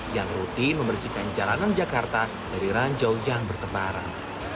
yang rutin membersihkan jalanan jakarta dari ranjau yang bertebaran